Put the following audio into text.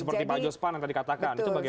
seperti pak jospan yang tadi katakan itu bagaimana